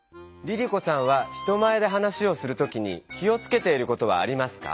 さんは人前で話をする時に気をつけていることはありますか？